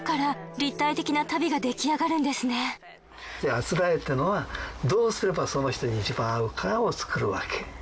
あつらえっていうのはどうすればその人にいちばん合うかを作るわけ。